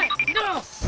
eh enggak loh